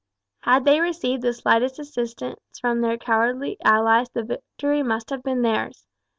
Had they received the slightest assistance from their cowardly allies the victory must have been theirs.